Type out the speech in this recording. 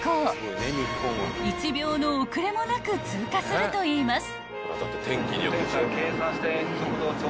［１秒の遅れもなく通過するといいます］